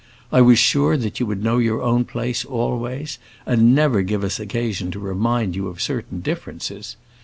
I was sure that you would know your own place, always, and never give us occasion to remind you of certain differences.